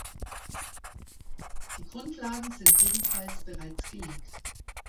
Die Grundlagen sind jedenfalls bereits gelegt.